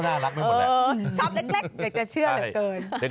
ชอบเล็กจะเชื่อเหลือเกิน